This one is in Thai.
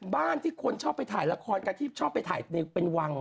บ้านที่คนชอบไปถ่ายละครกับที่ชอบไปถ่ายเพลงเป็นวัง